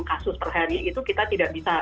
kasus per hari itu kita tidak bisa